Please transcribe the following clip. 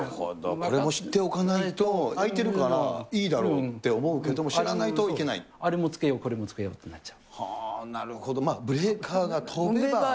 これも知っておかないと、空いてるからいいだろうって思うけども、知らないといけあれもつけよう、これもつけようってなっちゃう。